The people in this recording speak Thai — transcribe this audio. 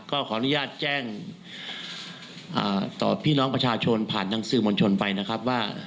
ก็ขออนุญาตแจ้งต่อพี่น้องประชาชนผ่านหนังสือมนุษย์ไปนะครับ